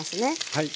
はい。